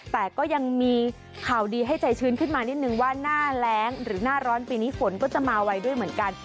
แต่ก็ยังมีข่าวดีให้ใจชื้นขึ้นมานิดนึงว่าหน้าแรงหรือหน้าร้อนปีนี้ฝนก็จะมาไวด้วยเหมือนกัน